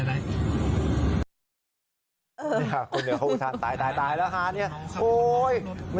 โห่ไหมจำว่าไหวเลยด้วย